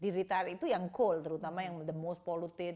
di retari itu yang coal terutama yang the most poluted